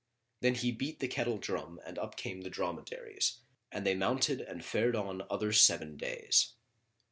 Then he beat the kettle drum and up came the dromedaries, and they mounted and fared on other seven days.